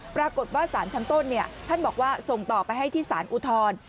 ปรากฏว่าสารชั้นต้นท่านบอกว่าส่งต่อไปให้ที่สารอุทธรณ์